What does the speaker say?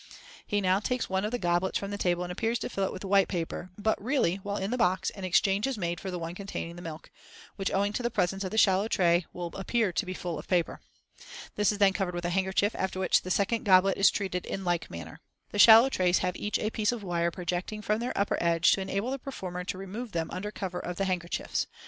He now takes one of the goblets from the table and appears to fill it with white paper, but really, while in the box, an exchange is made for the one containing the milk, which, owing to the presence of the shallow tray, will appear to be full of paper. This is then covered with a handkerchief, after which the second goblet is treated in like manner. The shallow trays have each a piece of wire projecting from their upper edge to enable the performer to remove them under cover of the handkerchiefs.